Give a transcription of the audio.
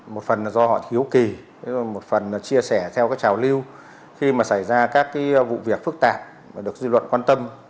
một phần là do họ thiếu kỳ một phần chia sẻ theo trào lưu khi mà xảy ra các vụ việc phức tạp mà được dư luận quan tâm